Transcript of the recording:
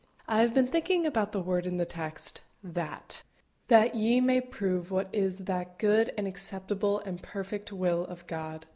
I have been thinking about the word in the text, "that" "that ye may prove what is that good and acceptable, and perfect will of God."